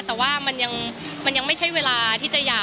แต่ว่ามันยังไม่ใช่เวลาที่จะหย่า